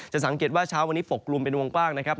สังเกตว่าเช้าวันนี้ปกกลุ่มเป็นวงกว้างนะครับ